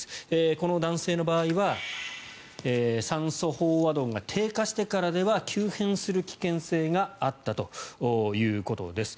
この男性の場合は酸素飽和度が低下してからでは急変する危険性があったということです。